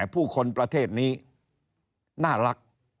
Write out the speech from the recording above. ผู้คนประเทศนี้น่ารัก